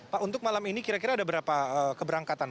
pak untuk malam ini kira kira ada berapa keberangkatan